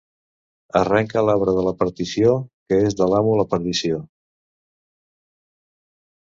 Arrenca l'arbre de la partició, que és de l'amo la perdició.